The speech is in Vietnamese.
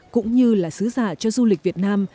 cũng như là sứ giả cho du lịch việt nam